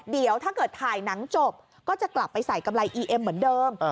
เดี๋ยวถ้าเกิดถ่ายหนังจบก็จะกลับไปใส่กำไรอีเอ็มเหมือนเดิม